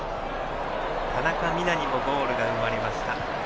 田中美南にもゴールが生まれました。